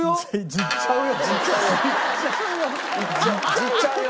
「じっちゃうよ」？